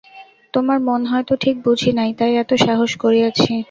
তোমার মন হয়তো ঠিক বুঝি নাই, তাই এত সাহস করিয়াছি।